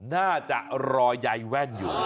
น่าจะรอยายแว่นอยู่